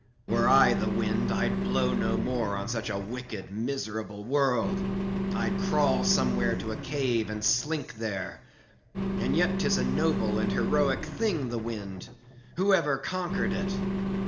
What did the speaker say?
Were I the wind, I'd blow no more on such a wicked, miserable world. I'd crawl somewhere to a cave, and slink there. And yet, 'tis a noble and heroic thing, the wind! who ever conquered it?